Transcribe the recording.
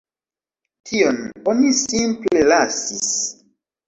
Tion oni simple lasis.